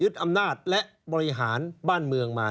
อำนาจและบริหารบ้านเมืองมา